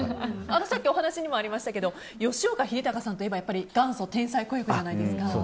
さっきお話にもありましたが吉岡秀隆さんといえば元祖天才子役じゃないですか。